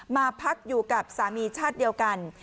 มาพักอยู่กับสามีชาติเดียวกัน